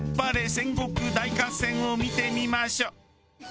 戦国大合戦』を見てみましょう。